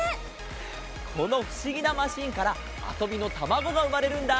このふしぎなマシーンからあそびのたまごがうまれるんだ。